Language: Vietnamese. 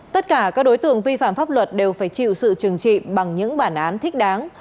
tất cả các đối tượng vi phạm pháp luật đều phải chịu sự trừng trị bằng những bản án thích đáng